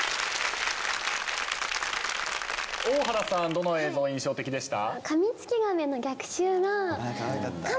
大原さんどの映像印象的でした？